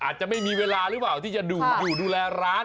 อาจจะไม่มีเวลาหรือเปล่าที่จะอยู่ดูแลร้าน